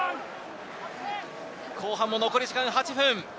後半も残り時間８分。